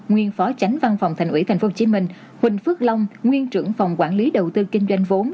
nguyên phó tránh văn phòng thành ủy tp hcm huỳnh phước long nguyên trưởng phòng quản lý đầu tư kinh doanh vốn